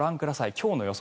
今日の予想